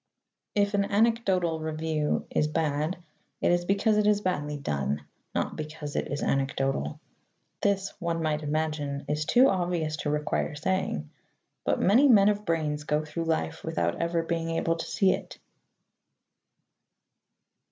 If an anecdotal review is bad, it is because it is badly done, not because it is anecdotal. This, one might imagine, is too obvious to require saying; but many men of brains go through life without ever being able to see it.